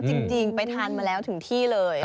จริงไปทานมาแล้วถึงที่เลย